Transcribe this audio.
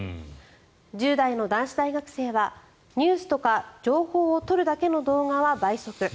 １０代の男子大学生はニュースとか情報を取るだけの動画は倍速。